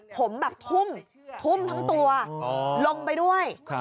ผมแบบทุ่มทุ่มทั้งตัวลงไปด้วย